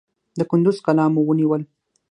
د کندوز قلا مو ونیول.